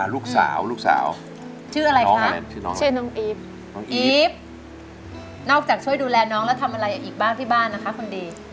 ลูกสาวชื่ออะไรคะชื่อน้องอีฟนอกจากช่วยดูแลน้องแล้วทำอะไรอีกบ้างที่บ้านนะคะคุณดี